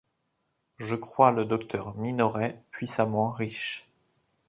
Je crois le docteur Minoret puissamment riche…